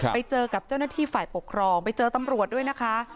ไปเจอกับเจ้าหน้าที่ฝ่ายปกครองไปเจอตำรวจด้วยนะคะ